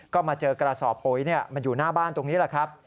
ก็มาเจอกระสอบปุ๋ยมันอยู่หน้าบ้านตรงนี้แหละครับ